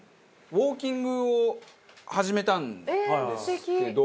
ウォーキングを始めたんですけど。